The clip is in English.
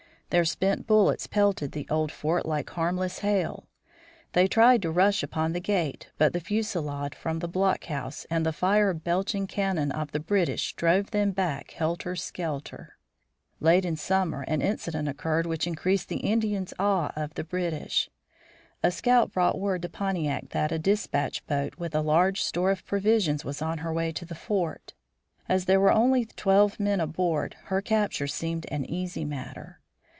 Their spent bullets pelted the old fort like harmless hail. They tried to rush upon the gate, but the fusilade from the block house and the fire belching cannon of the British drove them back helter skelter. Late in September an incident occurred which increased the Indians' awe of the British. A scout brought word to Pontiac that a dispatch boat with a large store of provisions was on her way to the fort. As there were only twelve men aboard, her capture seemed an easy matter.